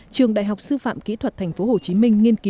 trường đại học sư phạm kỹ thuật tp hcm